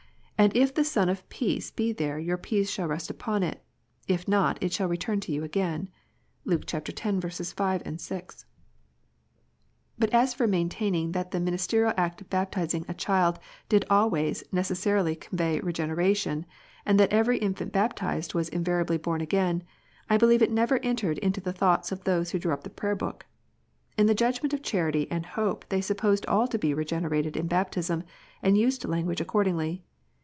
And if the son of peace be there, your peace shall rest upon it : if not, it shall turn to you again." (Luke x. 5, 6.) But as for maintaining that the ministerial act of baptizing child did always necessarily convey Regeneration, and that every infant baptized was invariably born again, I believe it never entered into the thoughts of those who drew up the Prayer book. In the judgment of charity and hope they sup posed all to be regenerated in baptism, and used language, accordingly.